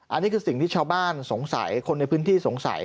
อันนี้คือสิ่งที่ชาวบ้านสงสัยคนในพื้นที่สงสัย